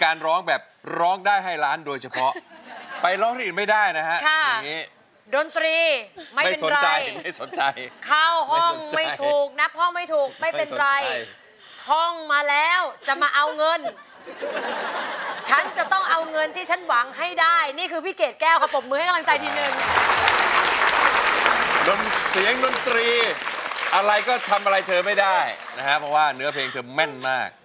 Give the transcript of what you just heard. อะไรก็ทำอะไรเธอไม่ได้นะคะเพราะว่านะเตอร์ไห่เธอแม่นมาก